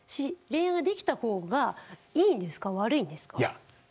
恋愛ができた方がいいんですか悪いんですか。